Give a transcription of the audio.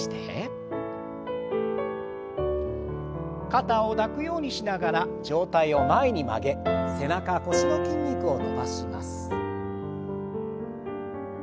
肩を抱くようにしながら上体を前に曲げ背中腰の筋肉を伸ばします。